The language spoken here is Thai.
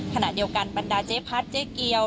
ขณะเดียวกันบรรดาเจ๊พัดเจ๊เกียว